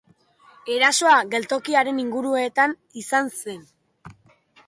Erasoa geltokiaren inguruetan izan zen.